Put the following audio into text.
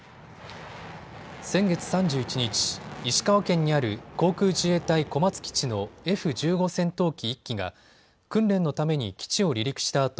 先月３１日、石川県にある航空自衛隊小松基地のＦ１５戦闘機１機が訓練のために基地を離陸した